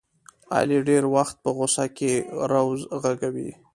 علي ډېری وخت په غوسه کې روض غږوي.